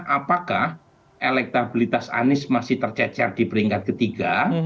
apakah elektabilitas anies masih tercecer di peringkat ketiga